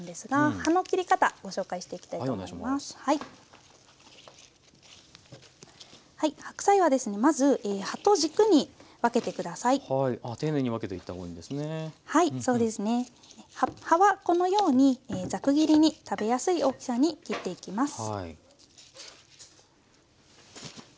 葉はこのようにザク切りに食べやすい大きさに切っていきます。